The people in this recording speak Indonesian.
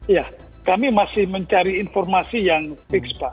ya kami masih mencari informasi yang fix pak